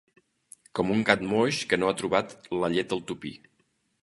Com un gat moix que no ha trobat la llet al tupí.